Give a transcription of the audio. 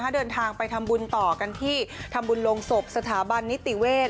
เดินทางไปทำบุญต่อกันที่ทำบุญลงศพสถาบันนิติเวศ